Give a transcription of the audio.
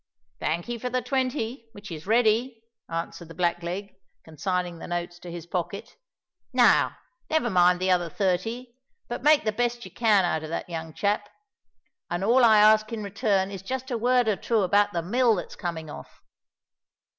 "Thank'ee for the twenty, which is ready," answered the black leg, consigning the notes to his pocket. "Now never mind the other thirty; but make the best you can out of that young chap; and all I ask in return is just a word or two about the mill that's coming off."